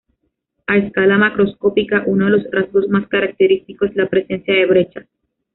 A escala macroscópica, uno de los rasgos más característicos es la presencia de brechas.